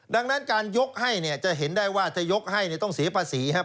ดังนั้นการยกให้เนี่ยจะเห็นได้ว่าถ้ายกให้ต้องเสียภาษีครับ